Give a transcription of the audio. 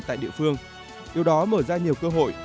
tại địa phương điều đó mở ra nhiều cơ hội